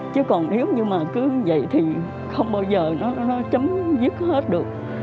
chứ còn nếu như mà cứ vậy thì không bao giờ nó chấm dứt hết được